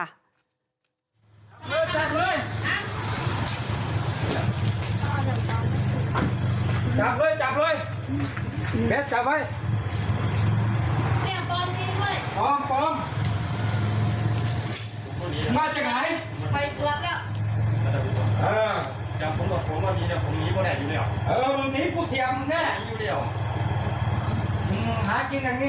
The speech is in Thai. หากินอันนี้แจ้งคำรวจเลย